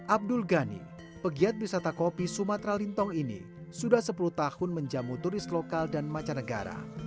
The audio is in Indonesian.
abdul ghani pegiat wisata kopi sumatera lintong ini sudah sepuluh tahun menjamu turis lokal dan mancanegara